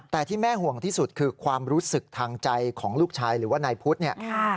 แต่ที่แม่ห่วงที่สุดคือความรู้สึกทางใจของลูกชายหรือว่านายพุทธเนี่ย